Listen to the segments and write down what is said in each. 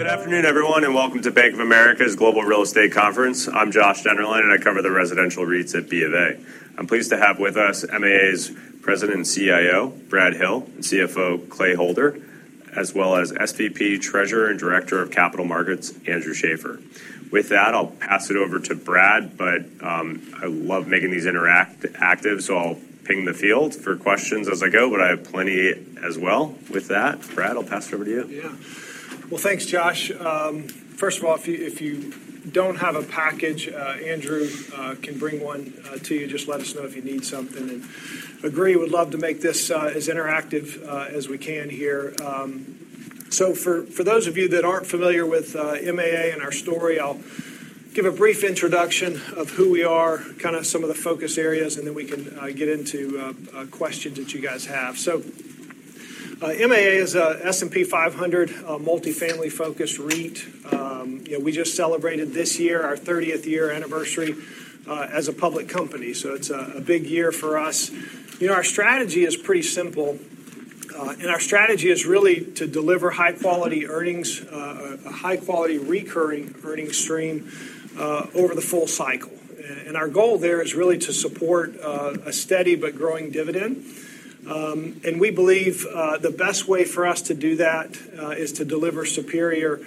Good afternoon, everyone, and welcome to Bank of America's Global Real Estate Conference. I'm Josh Dennerlein, and I cover the residential REITs at B of A. I'm pleased to have with us MAA's President and CIO, Brad Hill, and CFO, Clay Holder, as well as SVP, Treasurer, and Director of Capital Markets, Andrew Schaeffer. With that, I'll pass it over to Brad, but I love making these interactive, so I'll poll the field for questions as I go, but I have plenty as well. With that, Brad, I'll pass it over to you. Yeah. Well, thanks, Josh. First of all, if you don't have a package, Andrew can bring one to you. Just let us know if you need something. And agree, would love to make this as interactive as we can here. So for those of you that aren't familiar with MAA and our story, I'll give a brief introduction of who we are, kinda some of the focus areas, and then we can get into questions that you guys have. So, MAA is a S&P 500 multifamily-focused REIT. You know, we just celebrated this year our 30th year anniversary as a public company, so it's a big year for us. You know, our strategy is pretty simple, and our strategy is really to deliver high-quality earnings, a high-quality, recurring earning stream, over the full cycle. And our goal there is really to support a steady but growing dividend. And we believe the best way for us to do that is to deliver superior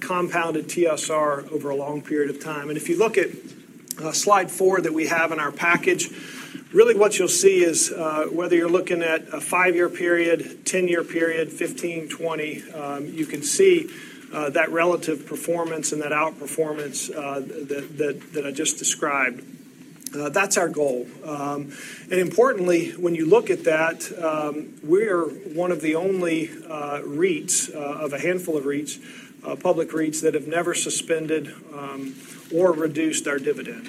compounded TSR over a long period of time. And if you look at slide four that we have in our package, really what you'll see is whether you're looking at a five-year period, 10-year period, 15-year, 20-year, you can see that relative performance and that outperformance that I just described. That's our goal. And importantly, when you look at that, we're one of the only REITs of a handful of public REITs that have never suspended or reduced our dividend.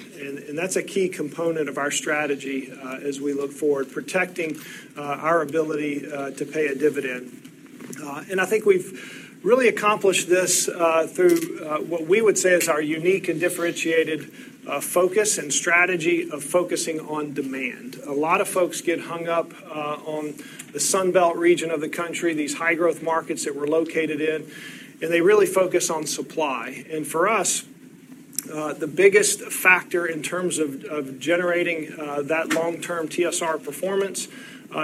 And that's a key component of our strategy as we look forward, protecting our ability to pay a dividend. And I think we've really accomplished this through what we would say is our unique and differentiated focus and strategy of focusing on demand. A lot of folks get hung up on the Sun Belt region of the country, these high-growth markets that we're located in, and they really focus on supply. And for us, the biggest factor in terms of generating that long-term TSR performance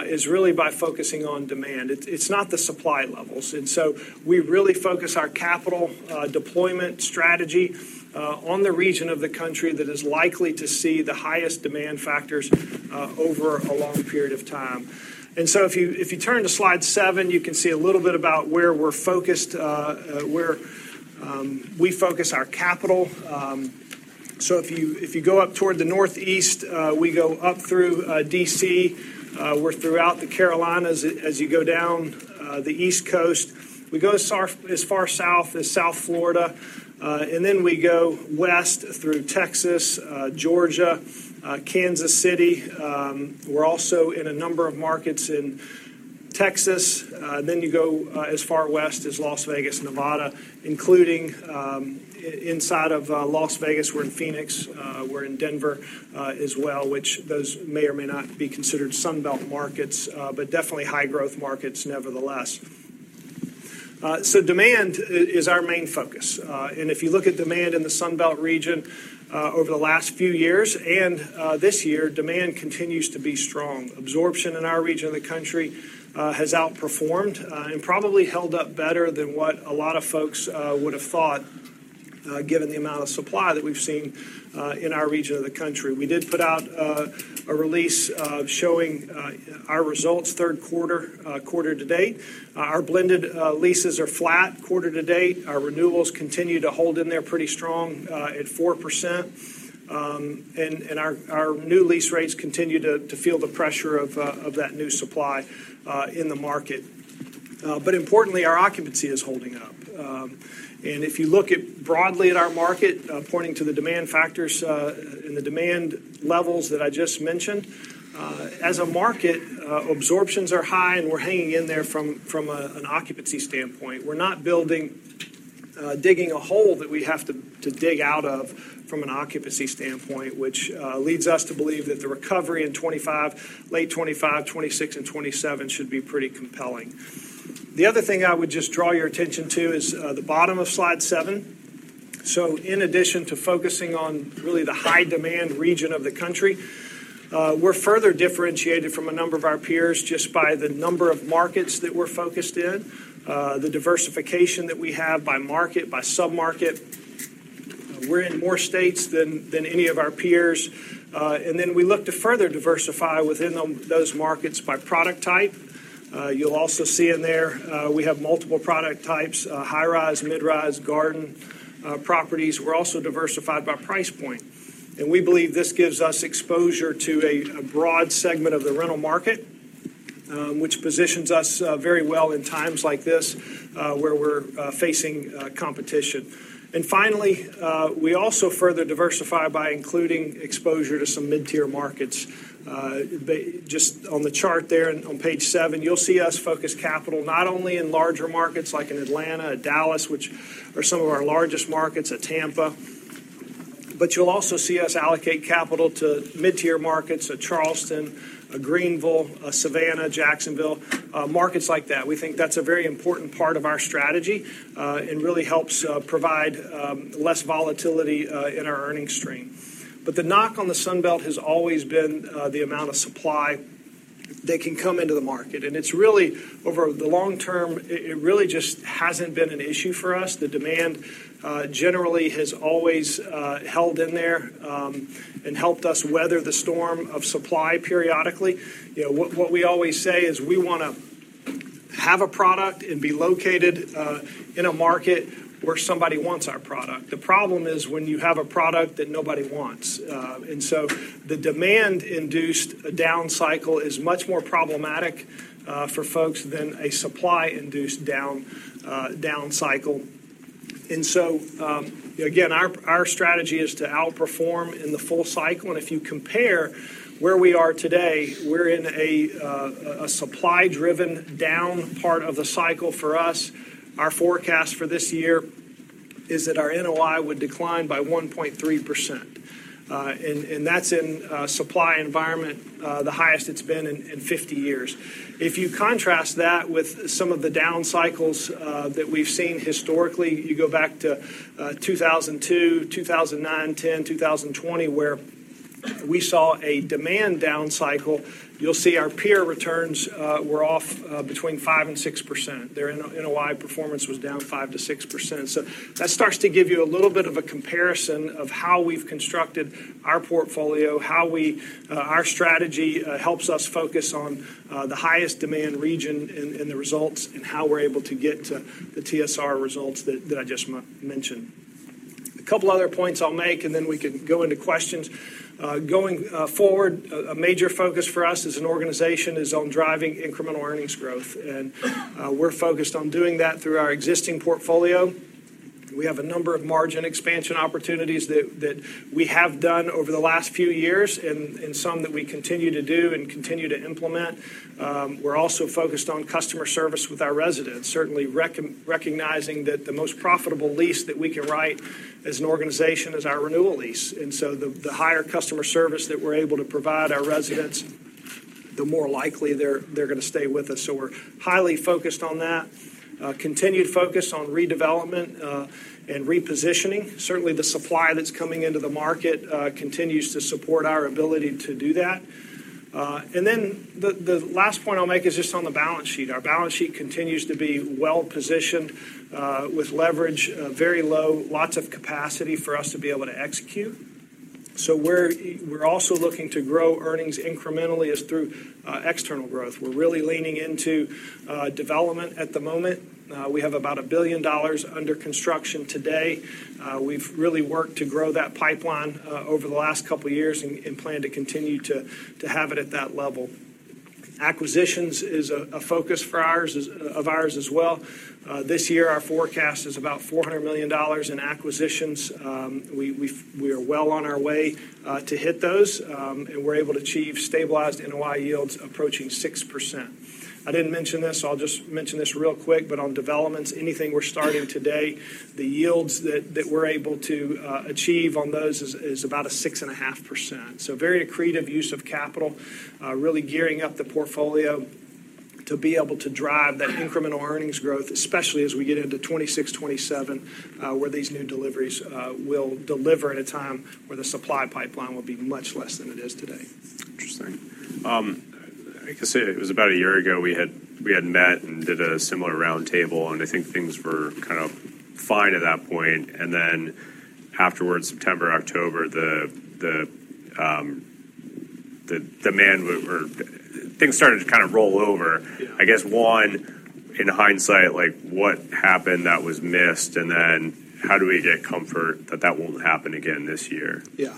is really by focusing on demand. It's not the supply levels, and so we really focus our capital deployment strategy on the region of the country that is likely to see the highest demand factors over a long period of time. So if you turn to slide seven, you can see a little bit about where we're focused, where we focus our capital. So if you go up toward the Northeast, we go up through DC, we're throughout the Carolinas as you go down the East Coast. We go as far south as South Florida, and then we go west through Texas, Georgia, Kansas City. We're also in a number of markets in Texas, then you go, as far west as Las Vegas, Nevada, including inside of Las Vegas. We're in Phoenix, we're in Denver, as well, which those may or may not be considered Sun Belt markets, but definitely high-growth markets nevertheless. So demand is our main focus. And if you look at demand in the Sun Belt region, over the last few years, and this year, demand continues to be strong. Absorption in our region of the country has outperformed, and probably held up better than what a lot of folks would have thought, given the amount of supply that we've seen, in our region of the country. We did put out a release showing our results, third quarter, quarter to date. Our blended leases are flat quarter to date. Our renewals continue to hold in there pretty strong at 4%, and our new lease rates continue to feel the pressure of that new supply in the market, but importantly, our occupancy is holding up, and if you look broadly at our market, pointing to the demand factors and the demand levels that I just mentioned, as a market, absorptions are high, and we're hanging in there from an occupancy standpoint. We're not digging a hole that we have to dig out of from an occupancy standpoint, which leads us to believe that the recovery in 2025, late 2025, 2026, and 2027 should be pretty compelling. The other thing I would just draw your attention to is the bottom of slide seven. So in addition to focusing on really the high-demand region of the country, we're further differentiated from a number of our peers just by the number of markets that we're focused in, the diversification that we have by market, by sub-market. We're in more states than any of our peers, and then we look to further diversify within those markets by product type. You'll also see in there, we have multiple product types, high-rise, mid-rise, garden, properties. We're also diversified by price point, and we believe this gives us exposure to a broad segment of the rental market, which positions us very well in times like this, where we're facing competition. Finally, we also further diversify by including exposure to some mid-tier markets. Just on the chart there and on page seven, you'll see us focus capital, not only in larger markets like in Atlanta, Dallas, which are some of our largest markets, and Tampa. But you'll also see us allocate capital to mid-tier markets like Charleston, Greenville, Savannah, Jacksonville, markets like that. We think that's a very important part of our strategy, and really helps provide less volatility in our earnings stream. But the knock on the Sun Belt has always been the amount of supply that can come into the market, and it's really over the long term really just hasn't been an issue for us. The demand generally has always held in there and helped us weather the storm of supply periodically. You know, what we always say is we wanna have a product and be located in a market where somebody wants our product. The problem is when you have a product that nobody wants. And so the demand-induced down cycle is much more problematic for folks than a supply-induced down cycle. And so, again, our strategy is to outperform in the full cycle, and if you compare where we are today, we're in a supply-driven down part of the cycle for us. Our forecast for this year is that our NOI would decline by 1.3%. And that's in a supply environment, the highest it's been in fifty years. If you contrast that with some of the down cycles that we've seen historically, you go back to 2002, 2009, 2010, 2020, where we saw a demand down cycle, you'll see our peer returns were off between 5% and 6%. Their NOI performance was down 5%-6%. So that starts to give you a little bit of a comparison of how we've constructed our portfolio, how our strategy helps us focus on the highest demand region and the results, and how we're able to get to the TSR results that I just mentioned. A couple other points I'll make, and then we can go into questions. Going forward, a major focus for us as an organization is on driving incremental earnings growth, and we're focused on doing that through our existing portfolio. We have a number of margin expansion opportunities that we have done over the last few years, and some that we continue to do and continue to implement. We're also focused on customer service with our residents, certainly recognizing that the most profitable lease that we can write as an organization is our renewal lease, and so the higher customer service that we're able to provide our residents, the more likely they're gonna stay with us. So we're highly focused on that: continued focus on redevelopment and repositioning. Certainly, the supply that's coming into the market continues to support our ability to do that. And then the last point I'll make is just on the balance sheet. Our balance sheet continues to be well-positioned with leverage very low, lots of capacity for us to be able to execute. So we're also looking to grow earnings incrementally through external growth. We're really leaning into development at the moment. We have about $1 billion under construction today. We've really worked to grow that pipeline over the last couple of years and plan to continue to have it at that level. Acquisitions is a focus for ours as well. This year, our forecast is about $400 million in acquisitions. We are well on our way to hit those, and we're able to achieve stabilized NOI yields approaching 6%. I didn't mention this, I'll just mention this real quick, but on developments, anything we're starting today, the yields that we're able to achieve on those is about a 6.5%. So very accretive use of capital, really gearing up the portfolio to be able to drive that incremental earnings growth, especially as we get into 2026, 2027, where these new deliveries will deliver at a time where the supply pipeline will be much less than it is today. Interesting. I could say it was about a year ago, we had met and did a similar roundtable, and I think things were kind of fine at that point, and then afterwards, September, October, the demand things started to kind of roll over. Yeah. I guess, one, in hindsight, like, what happened that was missed? And then how do we get comfort that that won't happen again this year? Yeah.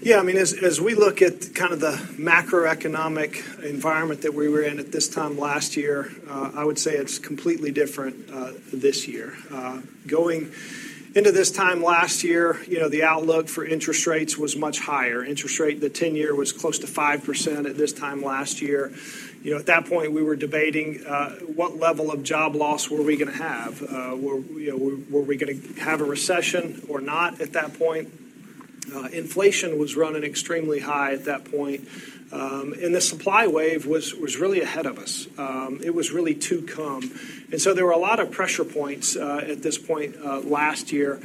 Yeah, I mean, as we look at kind of the macroeconomic environment that we were in at this time last year, I would say it's completely different this year. Going into this time last year, you know, the outlook for interest rates was much higher. Interest rate, the ten-year, was close to 5% at this time last year. You know, at that point, we were debating what level of job loss were we gonna have? You know, were we gonna have a recession or not at that point? Inflation was running extremely high at that point, and the supply wave was really ahead of us. It was really to come. And so there were a lot of pressure points at this point last year.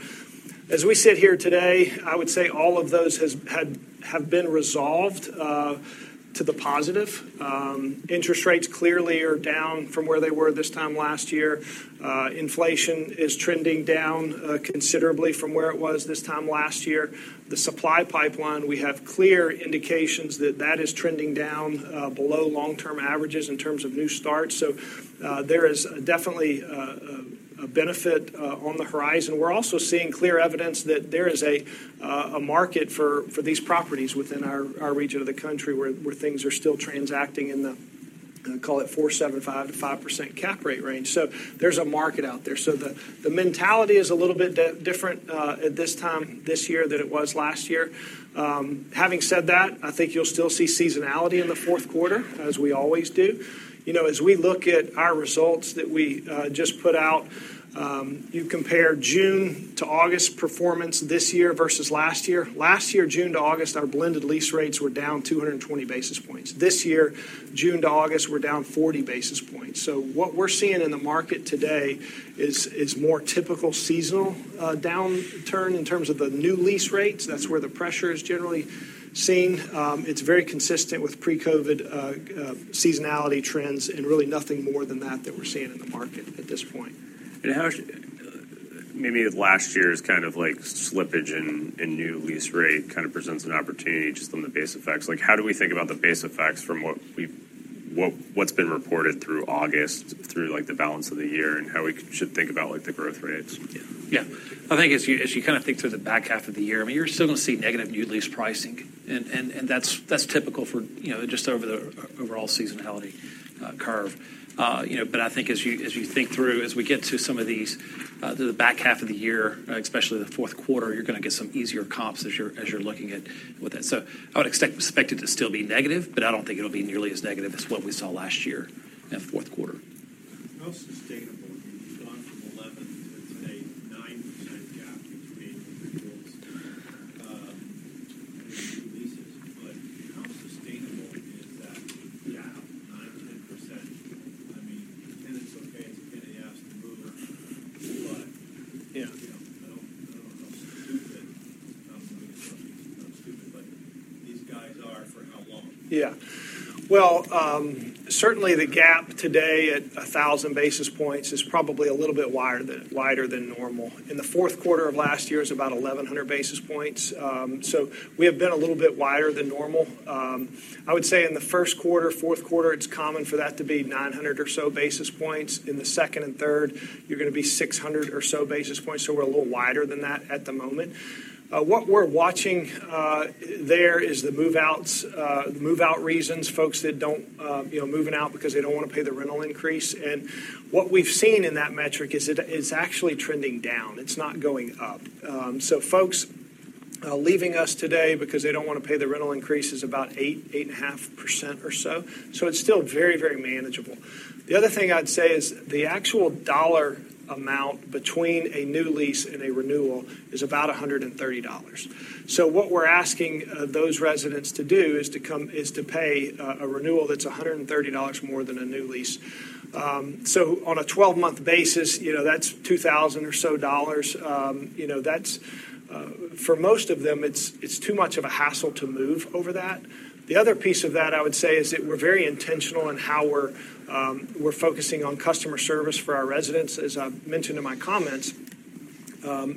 As we sit here today, I would say all of those have been resolved to the positive. Interest rates clearly are down from where they were this time last year. Inflation is trending down considerably from where it was this time last year. The supply pipeline, we have clear indications that that is trending down below long-term averages in terms of new starts. So there is definitely a benefit on the horizon. We're also seeing clear evidence that there is a market for these properties within our region of the country, where things are still transacting in the I call it 4.75%-5% cap rate range. So there's a market out there. So the mentality is a little bit different at this time this year than it was last year. Having said that, I think you'll still see seasonality in the fourth quarter, as we always do. You know, as we look at our results that we just put out, you compare June to August performance this year versus last year. Last year, June to August, our blended lease rates were down 220 basis points. This year, June to August, we're down 40 basis points. So what we're seeing in the market today is more typical seasonal downturn in terms of the new lease rates. That's where the pressure is generally seen. It's very consistent with pre-COVID seasonality trends, and really nothing more than that we're seeing in the market at this point. How should maybe of last year's kind of like slippage in new lease rate kind of presents an opportunity just on the base effects? Like, how do we think about the base effects from what we've, what's been reported through August through like the balance of the year, and how we should think about like the growth rates? Yeah. I think as you kind of think through the back half of the year, I mean, you're still gonna see negative new lease pricing, and that's typical for, you know, just over the overall seasonality curve. But I think as we get to some of these through the back half of the year, especially the fourth quarter, you're gonna get some easier comps as you're looking at with it. So I would expect it to still be negative, but I don't think it'll be nearly as negative as what we saw last year in the fourth quarter. How sustainable? You've gone from 11 to today, 9% gap between renewals and new leases, but how sustainable is that gap, 9%-10%? I mean, tenant's okay is gonna ask the mover, but- Yeah You know, I don't, I don't know how stupid, not stupid, but these guys are, for how long? Yeah. Well, certainly, the gap today at 1,000 basis points is probably a little bit wider than, wider than normal. In the fourth quarter of last year, it was about 1,100 basis points, so we have been a little bit wider than normal. I would say in the first quarter, fourth quarter, it's common for that to be 900 or so basis points. In the second and third, you're gonna be 600 or so basis points, so we're a little wider than that at the moment. What we're watching there is the move-outs, the move-out reasons, folks that don't, you know, moving out because they don't wanna pay the rental increase. And what we've seen in that metric is it, it's actually trending down. It's not going up. Folks, leaving us today because they don't wanna pay the rental increase is about 8%-8.5% or so. So it's still very, very manageable. The other thing I'd say is the actual dollar amount between a new lease and a renewal is about $130. So what we're asking those residents to do is to pay a renewal that's $130 more than a new lease. So on a 12-month basis, you know, that's $2,000 or so dollars. You know, that's for most of them, it's too much of a hassle to move over that. The other piece of that, I would say, is that we're very intentional in how we're focusing on customer service for our residents, as I've mentioned in my comments.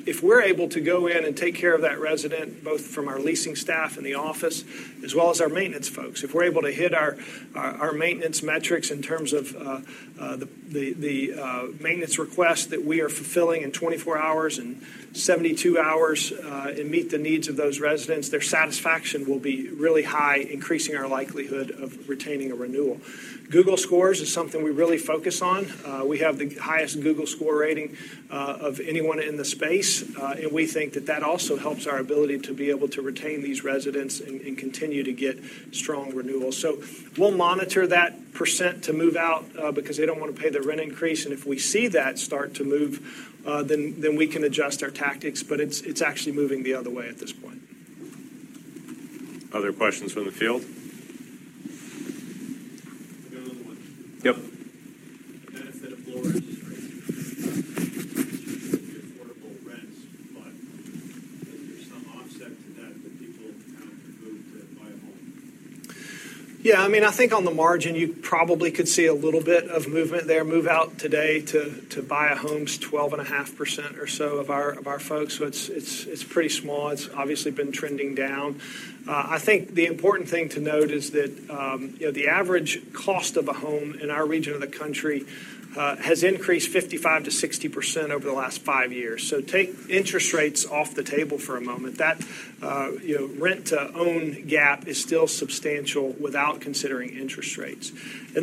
If we're able to go in and take care of that resident, both from our leasing staff in the office as well as our maintenance folks, if we're able to hit our maintenance metrics in terms of the maintenance request that we are fulfilling in 24 hours and 72 hours, and meet the needs of those residents, their satisfaction will be really high, increasing our likelihood of retaining a renewal. Google score is something we really focus on. We have the highest Google Score rating of anyone in the space, and we think that that also helps our ability to be able to retain these residents and continue to get strong renewals. So we'll monitor that percent to move out, because they don't wanna pay the rent increase, and if we see that start to move, then we can adjust our tactics, but it's actually moving the other way at this point. Other questions from the field? I got another one. Yep. affordable rents, but is there some offset to that, that people have to move to buy a home? Yeah, I mean, I think on the margin, you probably could see a little bit of movement there. Move out today to buy a home is 12.5% or so of our folks. So it's pretty small. It's obviously been trending down. I think the important thing to note is that, you know, the average cost of a home in our region of the country has increased 55%-60% over the last five years. So take interest rates off the table for a moment. That, you know, rent-to-own gap is still substantial without considering interest rates.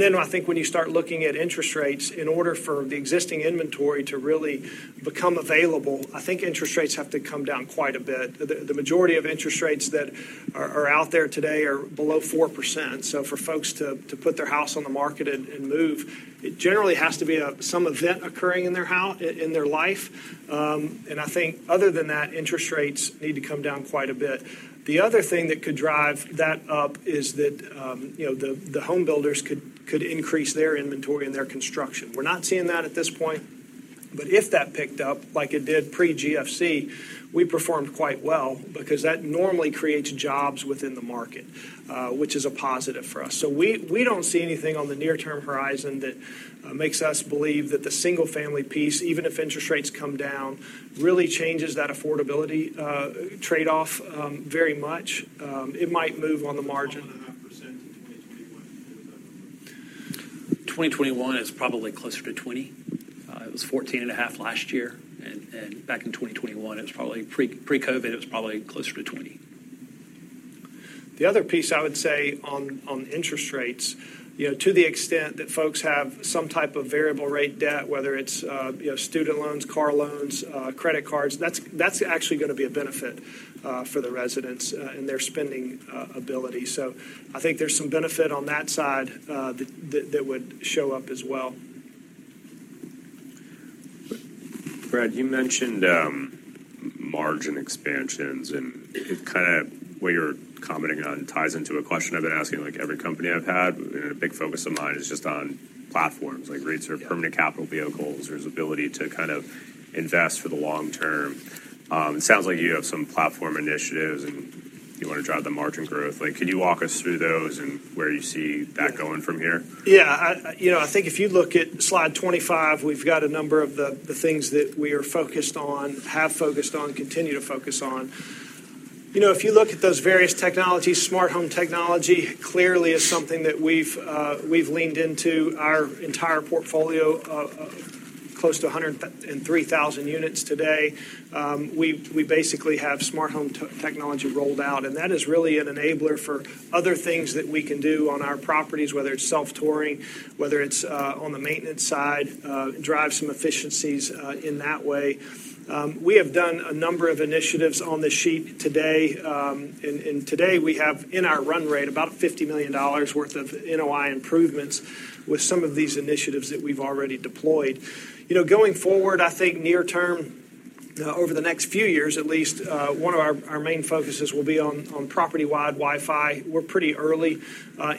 Then I think when you start looking at interest rates, in order for the existing inventory to really become available, I think interest rates have to come down quite a bit. The majority of interest rates that are out there today are below 4%. So for folks to put their house on the market and move, it generally has to be some event occurring in their life, and I think other than that, interest rates need to come down quite a bit. The other thing that could drive that up is that, you know, the home builders could increase their inventory and their construction. We're not seeing that at this point, but if that picked up like it did pre-GFC, we performed quite well because that normally creates jobs within the market, which is a positive for us. So we don't see anything on the near-term horizon that makes us believe that the single-family piece, even if interest rates come down, really changes that affordability trade-off very much. It might move on the margin. 1.5% in 2021. 2021 is probably closer to 20. It was 14.5% last year, and back in 2021, it was probably pre-COVID, it was probably closer to 20. ...The other piece I would say on interest rates, you know, to the extent that folks have some type of variable rate debt, whether it's, you know, student loans, car loans, credit cards, that's actually going to be a benefit for the residents and their spending ability. So I think there's some benefit on that side that would show up as well. Brad, you mentioned margin expansions, and kind of what you're commenting on ties into a question I've been asking, like, every company I've had. A big focus of mine is just on platforms, like rates or permanent capital vehicles, or its ability to kind of invest for the long term. It sounds like you have some platform initiatives, and you want to drive the margin growth. Like, can you walk us through those and where you see that going from here? Yeah, I, you know, I think if you look at slide 25, we've got a number of the things that we are focused on, have focused on, continue to focus on. You know, if you look at those various technologies, smart home technology clearly is something that we've leaned into our entire portfolio of close to 103,000 units today. We basically have smart home technology rolled out, and that is really an enabler for other things that we can do on our properties, whether it's self-touring, whether it's on the maintenance side, drive some efficiencies in that way. We have done a number of initiatives on the sheet today, and today, we have in our run rate about $50 million worth of NOI improvements with some of these initiatives that we've already deployed. You know, going forward, I think near term, over the next few years at least, one of our main focuses will be on property-wide Wi-Fi. We're pretty early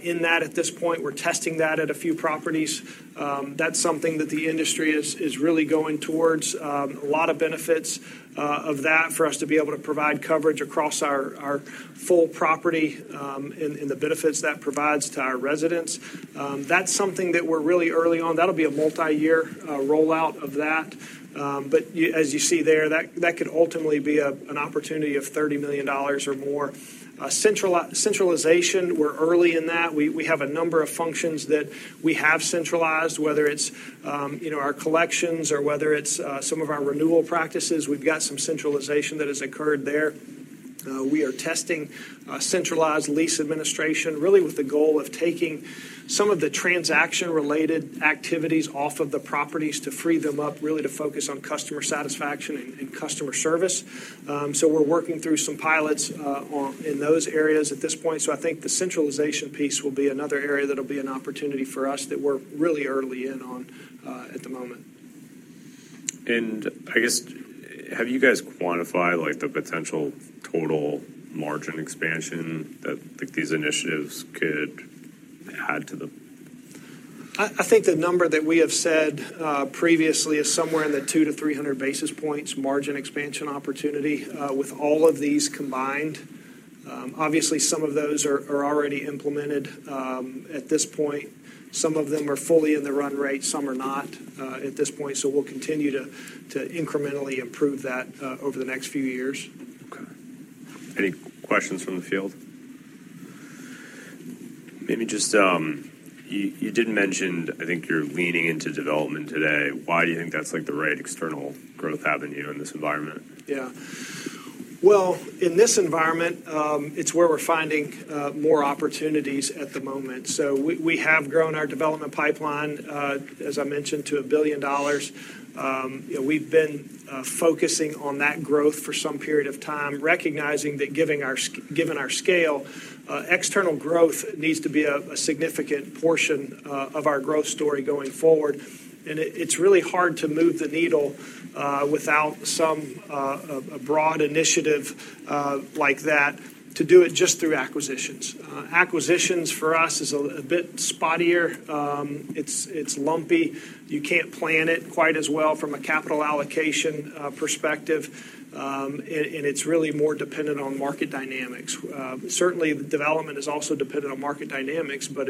in that at this point. We're testing that at a few properties. That's something that the industry is really going towards. A lot of benefits of that for us to be able to provide coverage across our full property, and the benefits that provides to our residents. That's something that we're really early on. That'll be a multi-year rollout of that. But as you see there, that could ultimately be an opportunity of $30 million or more. Centralization, we're early in that. We have a number of functions that we have centralized, whether it's, you know, our collections, or whether it's some of our renewal practices. We've got some centralization that has occurred there. We are testing centralized lease administration, really with the goal of taking some of the transaction-related activities off of the properties to free them up, really, to focus on customer satisfaction and customer service. So we're working through some pilots, in those areas at this point. So I think the centralization piece will be another area that'll be an opportunity for us that we're really early in on, at the moment. I guess, have you guys quantified, like, the potential total margin expansion that, like, these initiatives could add to the...? I think the number that we have said previously is somewhere in the 200-300 basis points margin expansion opportunity with all of these combined. Obviously, some of those are already implemented at this point. Some of them are fully in the run rate, some are not at this point, so we'll continue to incrementally improve that over the next few years. Okay. Any questions from the field? Maybe just, you did mention, I think you're leaning into development today. Why do you think that's, like, the right external growth avenue in this environment? Yeah, well, in this environment, it's where we're finding more opportunities at the moment. So we have grown our development pipeline, as I mentioned, to $1 billion. You know, we've been focusing on that growth for some period of time, recognizing that given our scale, external growth needs to be a significant portion of our growth story going forward. And it's really hard to move the needle without a broad initiative like that to do it just through acquisitions. Acquisitions for us is a bit spottier. It's lumpy. You can't plan it quite as well from a capital allocation perspective. And it's really more dependent on market dynamics. Certainly, the development is also dependent on market dynamics, but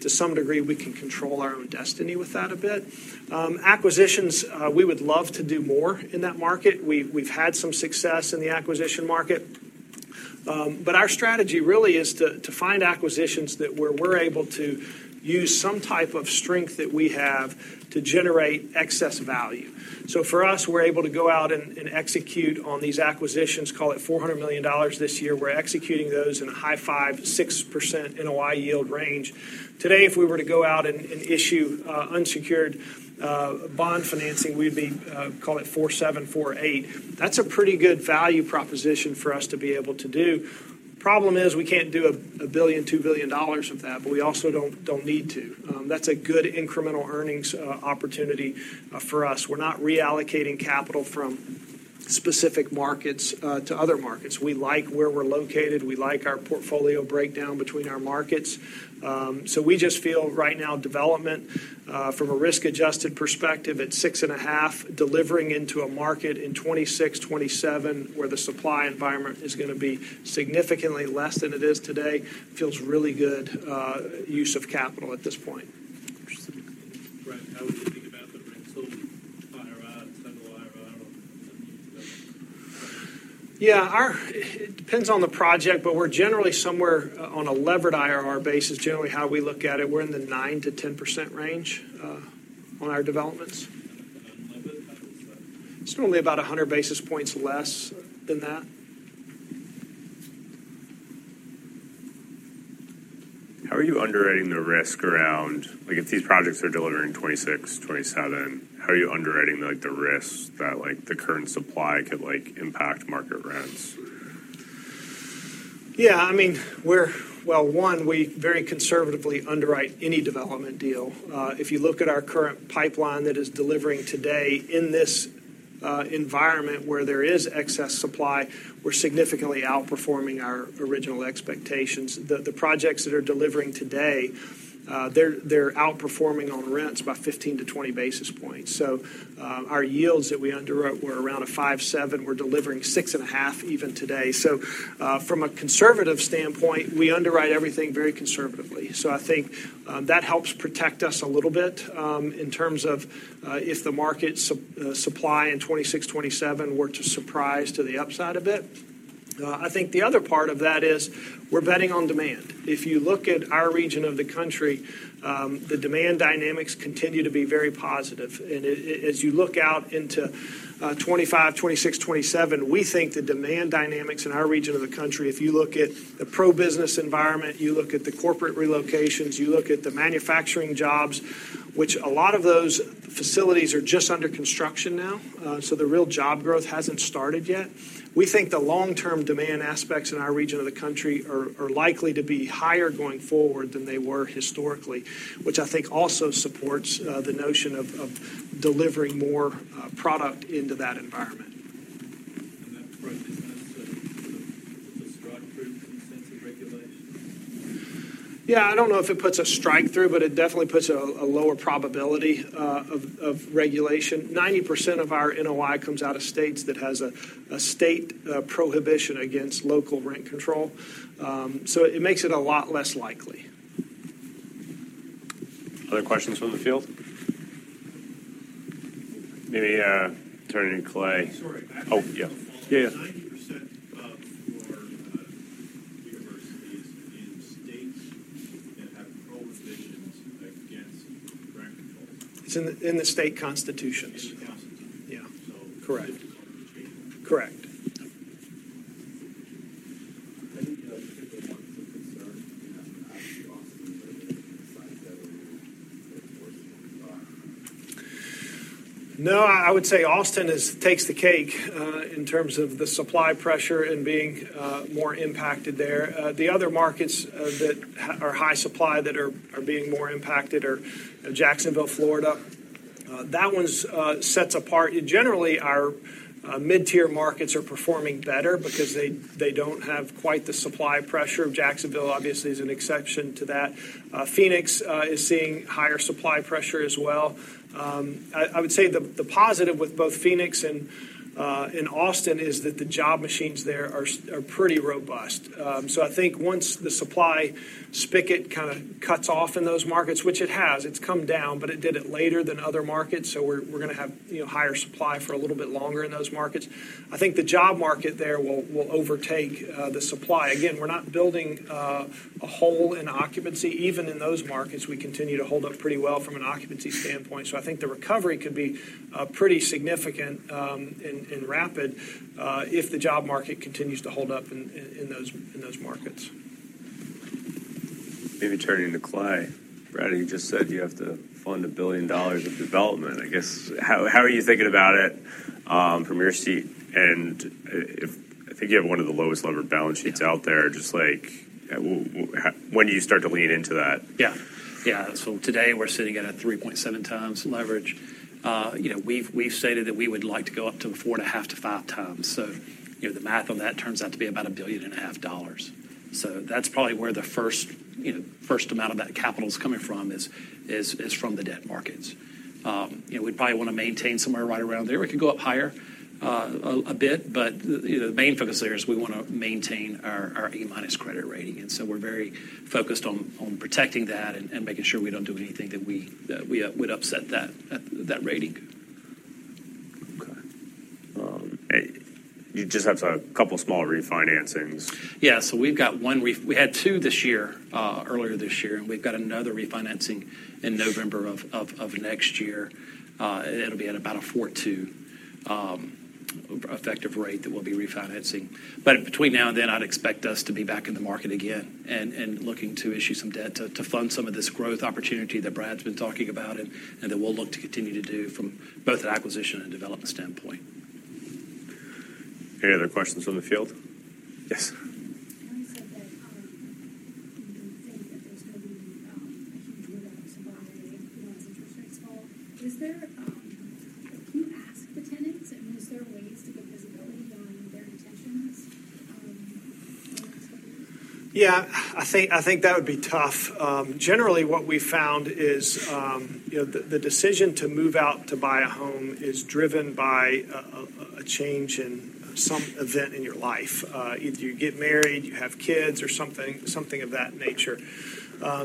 to some degree, we can control our own destiny with that a bit. Acquisitions, we would love to do more in that market. We've had some success in the acquisition market, but our strategy really is to find acquisitions that where we're able to use some type of strength that we have to generate excess value. For us, we're able to go out and execute on these acquisitions, call it $400 million this year. We're executing those in a high 5%-6% NOI yield range. Today, if we were to go out and issue unsecured bond financing, we'd be call it 4.7-4.8. That's a pretty good value proposition for us to be able to do. Problem is, we can't do a $1 billion, $2 billion of that, but we also don't need to. That's a good incremental earnings opportunity for us. We're not reallocating capital from specific markets to other markets. We like where we're located, we like our portfolio breakdown between our markets, so we just feel right now, development from a risk-adjusted perspective, at 6.5, delivering into a market in 2026, 2027, where the supply environment is gonna be significantly less than it is today, feels really good use of capital at this point. Brad, how would you think about the rental IRR, toggle IRR on the developments? Yeah, it depends on the project, but we're generally somewhere on a levered IRR basis. Generally, how we look at it, we're in the 9%-10% range on our developments. It's only about 100 basis points less than that. How are you underwriting the risk around—like, if these projects are delivering 2026, 2027, how are you underwriting, like, the risks that, like, the current supply could, like, impact market rents? Yeah, I mean, we're. Well, one, we very conservatively underwrite any development deal. If you look at our current pipeline that is delivering today in this environment where there is excess supply, we're significantly outperforming our original expectations. The projects that are delivering today, they're outperforming on rents by 15-20 basis points. So, our yields that we underwrote were around a 5.7. We're delivering 6.5 even today. So, from a conservative standpoint, we underwrite everything very conservatively. So I think, that helps protect us a little bit, in terms of, if the market supply in 2026, 2027 were to surprise to the upside a bit. I think the other part of that is we're betting on demand. If you look at our region of the country, the demand dynamics continue to be very positive. And it, as you look out into 2025, 2026, 2027, we think the demand dynamics in our region of the country, if you look at the pro-business environment, you look at the corporate relocations, you look at the manufacturing jobs, which a lot of those facilities are just under construction now, so the real job growth hasn't started yet. We think the long-term demand aspects in our region of the country are likely to be higher going forward than they were historically, which I think also supports the notion of delivering more product into that environment. And that approach, does that put a strike through some sense of regulation? Yeah, I don't know if it puts a strike through, but it definitely puts a lower probability of regulation. 90% of our NOI comes out of states that has a state prohibition against local rent control, so it makes it a lot less likely. Other questions from the field? Maybe, turning to Clay. Sorry. Oh, yeah. Yeah, yeah. in states that have prohibitions against rent control? It's in the state constitutions. In the constitution? Yeah. So- Correct. Correct. No, I would say Austin takes the cake in terms of the supply pressure and being more impacted there. The other markets that are high supply, that are being more impacted are Jacksonville, Florida. That one's sets apart. Generally, our mid-tier markets are performing better because they don't have quite the supply pressure. Jacksonville, obviously, is an exception to that. Phoenix is seeing higher supply pressure as well. I would say the positive with both Phoenix and Austin is that the job machines there are pretty robust. So I think once the supply spigot kinda cuts off in those markets, which it has, it's come down, but it did it later than other markets, so we're gonna have, you know, higher supply for a little bit longer in those markets. I think the job market there will overtake the supply. Again, we're not building a hole in occupancy. Even in those markets, we continue to hold up pretty well from an occupancy standpoint. So I think the recovery could be pretty significant, and rapid, if the job market continues to hold up in those markets. Maybe turning to Clay. Brad, you just said you have to fund $1 billion of development. I guess, how are you thinking about it from your seat? And I think you have one of the lowest levered balance sheets out there, just like, when do you start to lean into that? Yeah. Yeah. So today, we're sitting at 3.7x leverage. You know, we've stated that we would like to go up to 4.5x-5x. So, you know, the math on that turns out to be about $1.5 billion. So that's probably where the first, you know, first amount of that capital is coming from is from the debt markets. You know, we'd probably wanna maintain somewhere right around there. We could go up higher, a bit, but, you know, the main focus there is we wanna maintain our A- credit rating. And so we're very focused on protecting that and making sure we don't do anything that we would upset that rating. Okay. And you just have a couple small refinancings? Yeah, so we've got one refinancing. We had two this year, earlier this year, and we've got another refinancing in November of next year. It'll be at about a 4.2 effective rate that we'll be refinancing. But between now and then, I'd expect us to be back in the market again and looking to issue some debt to fund some of this growth opportunity that Brad's been talking about, and that we'll look to continue to do from both an acquisition and development standpoint. Any other questions from the field? Yes. Is there... Do you ask the tenants, and is there ways to get Yeah, I think that would be tough. Generally, what we found is, you know, the decision to move out to buy a home is driven by a change in some event in your life. Either you get married, you have kids, or something of that nature.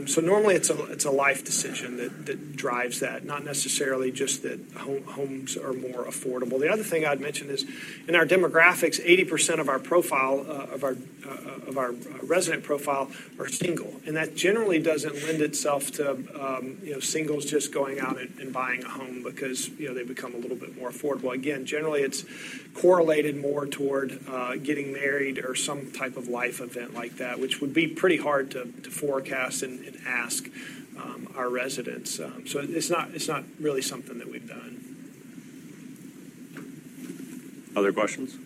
So normally it's a life decision that drives that, not necessarily just that homes are more affordable. The other thing I'd mention is, in our demographics, 80% of our resident profile are single, and that generally doesn't lend itself to, you know, singles just going out and buying a home because, you know, they've become a little bit more affordable. Again, generally, it's correlated more toward getting married or some type of life event like that, which would be pretty hard to forecast and ask our residents. So it's not really something that we've done.... Other questions?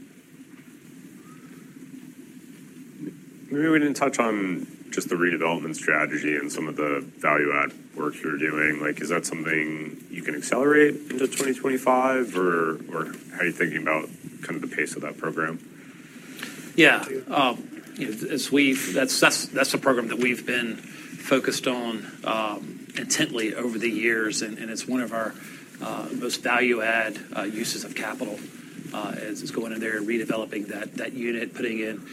Maybe we didn't touch on just the redevelopment strategy and some of the value-add work you're doing. Like, is that something you can accelerate into 2025, or, or how are you thinking about kind of the pace of that program? Yeah. That's a program that we've been focused on intently over the years, and it's one of our most value-add uses of capital is going in there and redeveloping that unit, putting in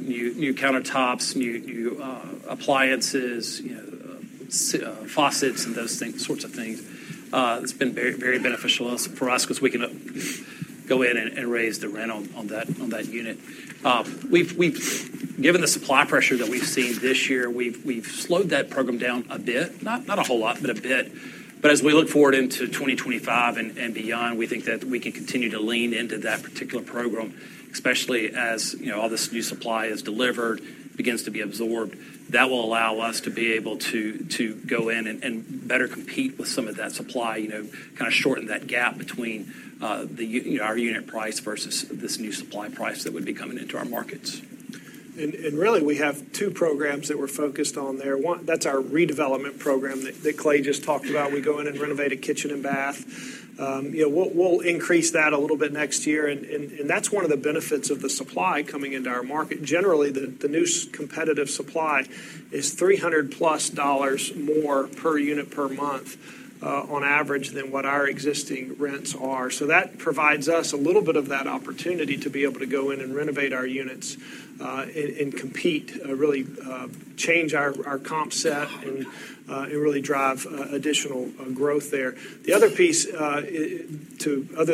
new countertops, new appliances, you know, faucets, and those sorts of things. It's been very beneficial for us 'cause we can go in and raise the rent on that unit. We've... Given the supply pressure that we've seen this year, we've slowed that program down a bit. Not a whole lot, but a bit. But as we look forward into 2025 and beyond, we think that we can continue to lean into that particular program, especially as, you know, all this new supply is delivered, begins to be absorbed. That will allow us to be able to go in and better compete with some of that supply, you know, kinda shorten that gap between, you know, our unit price versus this new supply price that would be coming into our markets. Really, we have two programs that we're focused on there. One, that's our redevelopment program that Clay just talked about. We go in and renovate a kitchen and bath. You know, we'll increase that a little bit next year, and that's one of the benefits of the supply coming into our market. Generally, the new competitive supply is $300+ more per unit per month, on average, than what our existing rents are. So that provides us a little bit of that opportunity to be able to go in and renovate our units, and compete, really, change our comp set and really drive additional growth there. The other piece, other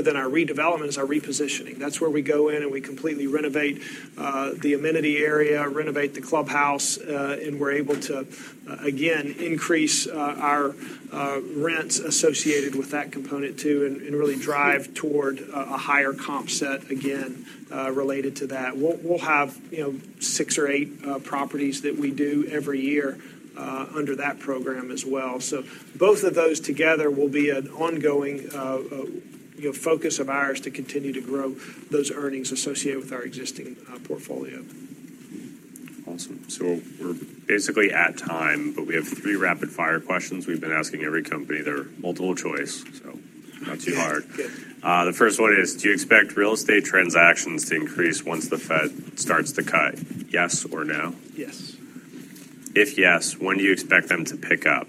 than our redevelopment, is our repositioning. That's where we go in and we completely renovate the amenity area, renovate the clubhouse, and we're able to again increase our rents associated with that component too, and really drive toward a higher comp set again related to that. We'll have, you know, six or eight properties that we do every year under that program as well. So both of those together will be an ongoing you know focus of ours to continue to grow those earnings associated with our existing portfolio. Awesome. So we're basically at time, but we have three rapid-fire questions we've been asking every company. They're multiple choice, so not too hard. The first one is: Do you expect real estate transactions to increase once the Fed starts to cut? Yes or no? Yes. If yes, when do you expect them to pick up?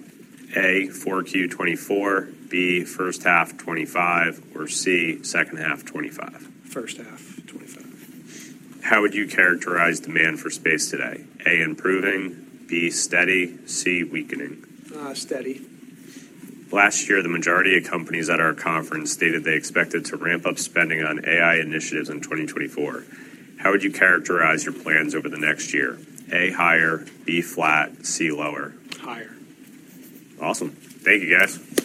A, 4Q 2024, B, first half 2025, or C, second half 2025. First half 2025. How would you characterize demand for space today? A, improving, B, steady, C, weakening. Uh, steady. Last year, the majority of companies at our conference stated they expected to ramp up spending on AI initiatives in 2024. How would you characterize your plans over the next year? A, higher, B, flat, C, lower. Higher. Awesome. Thank you, guys.